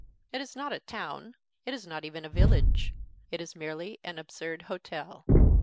It is not a town; it is not even a village: it is merely an absurd hotel.